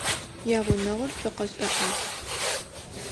Ягъунэгъур цокъэшӏэ ӏаз.